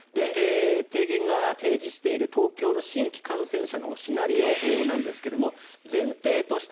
提言が提示している東京の新規感染者のシナリオなんですが前提として。